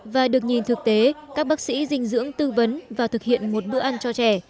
và được nhìn thực tế các bác sĩ dinh dưỡng tư vấn và thực hiện một bữa ăn cho trẻ